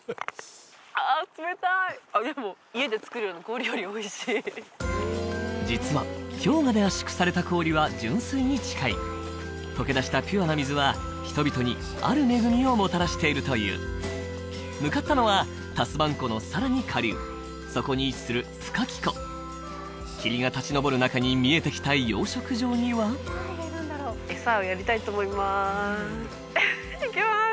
ああっ冷たいでも家で作るような氷よりおいしい実は氷河で圧縮された氷は純水に近いとけ出したピュアな水は人々にある恵みをもたらしているという向かったのはタスマン湖のさらに下流そこに位置するプカキ湖霧が立ち上る中に見えてきた養殖場には餌をやりたいと思いますいきます